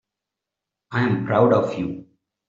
I'm proud of you.